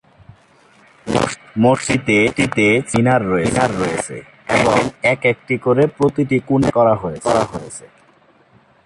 মসজিদটিতে চারটি মিনার রয়েছে এবং এক একটি করে প্রতিটি কোণে নির্মাণ করা হয়েছে।